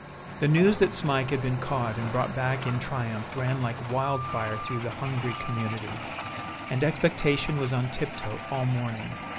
The news that Smike had been caught and brought back in triumph ran like wild fire through the hungry community, and expectation was on tiptoe all morning.